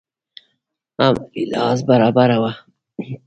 عملي لحاظ برابره وه.